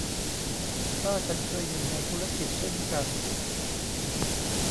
ป้าฉันเคยอยู่ในธุรกิจเช่นกัน